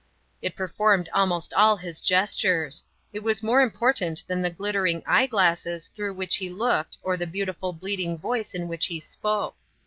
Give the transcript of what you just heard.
It performed almost all his gestures; it was more important than the glittering eye glasses through which he looked or the beautiful bleating voice in which he spoke.